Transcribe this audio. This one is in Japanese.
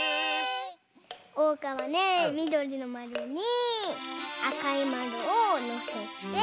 おうかはねみどりのまるにあかいまるをのせて。